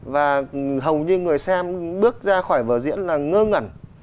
và hầu như người xem bước ra khỏi vở diễn là ngơ ngẩn